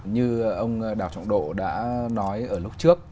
như ông đào trọng độ đã nói ở lúc trước